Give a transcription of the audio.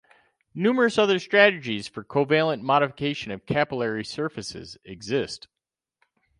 Numerous other strategies for covalent modification of capillary surfaces exist.